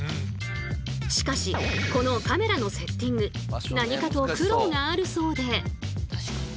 しかしこのカメラのセッティング何かと苦労があるそうで。